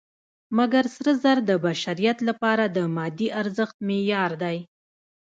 مګر سره زر د بشریت لپاره د مادي ارزښت معیار دی.